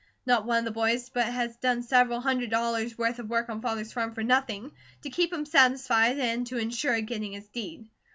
Not one of the boys but has done several hundred dollars' worth of work on Father's farm for nothing, to keep him satisfied and to insure getting his deed.